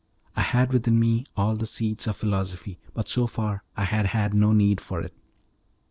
I had within me all the seeds of philosophy, but so far I had had no need for it.